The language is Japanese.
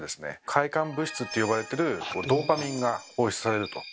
快感物質って呼ばれてるドーパミンが放出されると。